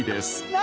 何？